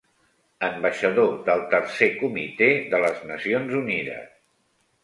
Ambaixador del Tercer Comitè de les Nacions Unides.